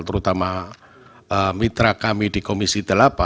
terutama mitra kami di komisi delapan